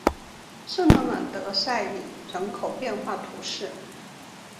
圣洛朗德塞里人口变化图示